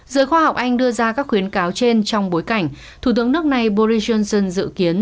giới khoa học anh đưa ra các khuyến cáo trên trong bối cảnh thủ tướng nước này boris johnson dự kiến